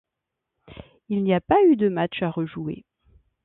Il n'y a pas eu de match à rejouer.